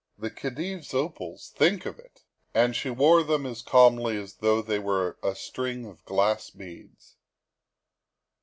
The Khedive's opals. Think of it! And she wore them as calmly as though they were a string of glass beads.